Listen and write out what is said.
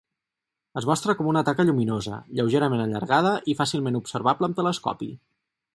Es mostra com una taca lluminosa, lleugerament allargada i fàcilment observable amb telescopi.